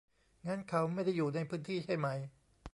งั้นเขาไม่ได้อยู่ในพื้นที่ใช่ไหม